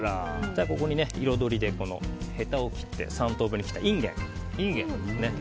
ここに彩りでヘタを切って３等分に切ったインゲンを入れます。